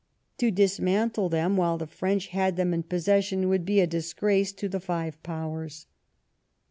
To dismantle them while the French had them in possession would be a disgrace to the five Powers.